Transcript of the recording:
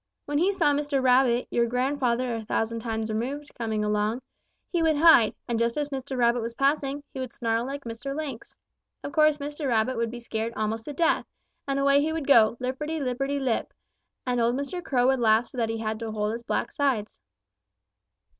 When he saw Mr. Rabbit, your grandfather a thousand times removed, coming along, he would hide, and just as Mr. Rabbit was passing, he would snarl like Mr. Lynx. Of course Mr. Rabbit would be scared almost to death, and away he would go, lipperty lipperty lip, and old Mr. Crow would laugh so that he had to hold his black sides.